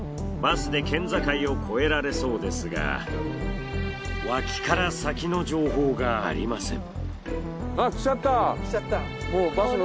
バスで県境を越えられそうですが脇から先の情報がありません。